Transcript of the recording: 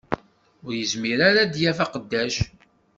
Ur yezmir ara ad d-yaff aqeddac